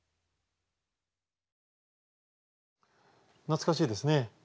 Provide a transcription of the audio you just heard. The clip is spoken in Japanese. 懐かしいですね。